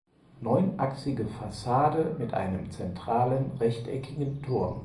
Neunachsige Fassade mit einem zentralen rechteckigen Turm.